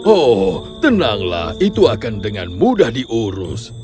oh tenanglah itu akan dengan mudah diurus